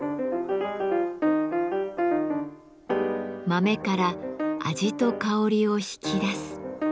豆から味と香りを引き出す。